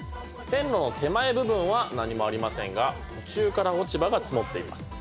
線路の手前部分は何もありませんが途中から落ち葉が積もっています。